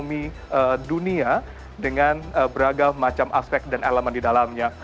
dan bagaimana kita bisa mengembangkan ekonomi dunia dengan beragam macam aspek dan elemen di dalamnya